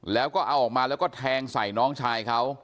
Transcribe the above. แล้วก็เอาออกมาแล้วก็แทงใส่น้องชายเขา